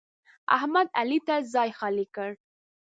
احمد؛ علي ته ځای خالي کړ.